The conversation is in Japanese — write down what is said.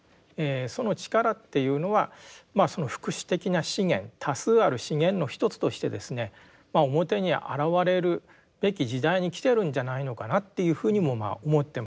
その力っていうのはまあ福祉的な資源多数ある資源の一つとしてですね表に現れるべき時代に来てるんじゃないのかなっていうふうにも思ってます。